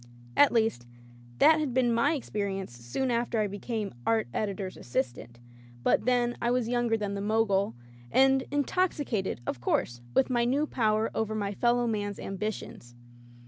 At least, that had been my experience soon after I became art editor's assistant — ^but then I was younger than the Mogul, and in toxicated, of course, with my new power over my fellow man's ambitions.